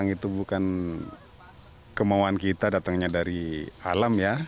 itu bukan kemauan kita datangnya dari alam ya